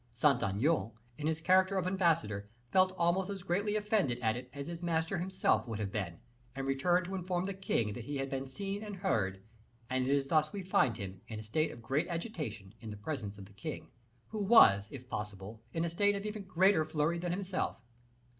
Saint Aignan, in his character of ambassador, felt almost as greatly offended at it as his master himself would have been, and returned to inform the king what he had seen and heard; and it is thus we find him, in a state of great agitation, in the presence of the king, who was, if possible, in a state of even greater flurry than himself.